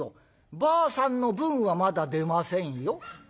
ばあさんの分はまだ出ませんよ」。